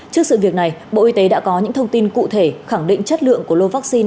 trước sự việc này bộ y tế đã có những thông tin cụ thể khẳng định chất lượng của lô vaccine